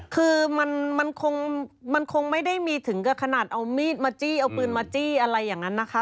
คือมันคงไม่ได้มีถึงกับขนาดเอามีดมาจี้เอาปืนมาจี้อะไรอย่างนั้นนะคะ